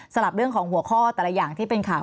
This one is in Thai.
สำหรับเรื่องของหัวข้อแต่ละอย่างที่เป็นข่าว